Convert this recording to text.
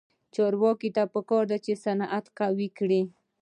چارواکو ته پکار ده چې، صنعت قوي کړي.